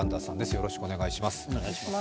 よろしくお願いします。